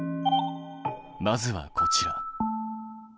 まずはこちら。